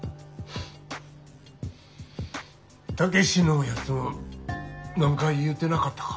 武志のやつ何か言うてなかったか？